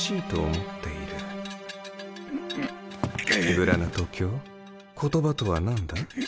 グラナト卿言葉とは何だ？